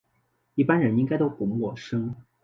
一般人应该都不陌生